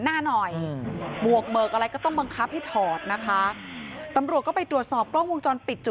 หน้าหน่อยหมวกเบิกอะไรก็ต้องบังคับให้ถอดนะคะตำรวจก็ไปตรวจสอบกล้องวงจรปิดจุด